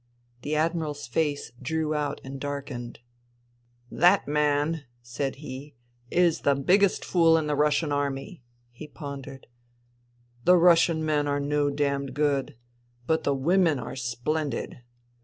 The Admiral's face drew out and darkened. " That man,'* said he, " is the biggest fool in the Russian Army." He pondered. " The Russian men are no damned good. But the women are splendid